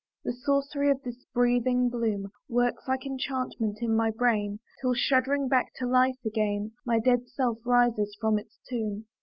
The sorcery of this breathing bloom Works like enchantment in my brain, Till, shuddering back to life again, My dead self rises from its tomb.